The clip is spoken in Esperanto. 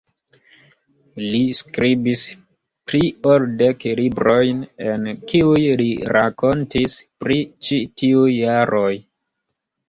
Li skribis pli ol dek librojn, en kiuj li rakontis pri ĉi tiuj jaroj.